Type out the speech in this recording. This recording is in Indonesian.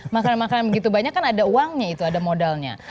makanan makanan begitu banyak kan ada uangnya itu ada modalnya